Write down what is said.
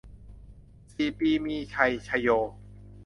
สี่ปีมีชัย ชโย